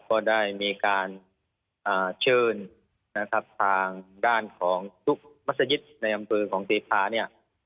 ก็ได้มีการเชิญทางด้านของทุกธุ์มัศยิตในอำเภอของสีภาเนี่ย